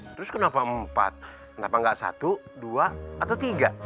terus kenapa empat kenapa nggak satu dua atau tiga